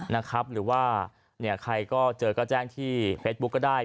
๐๙๓๕๐๕๒๙๙๒นะครับหรือว่าใครก็เจอก็แจ้งที่เฟซบุ๊กก็ได้